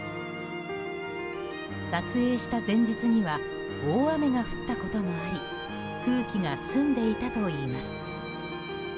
撮影した前日には大雨が降ったこともあり空気が澄んでいたといいます。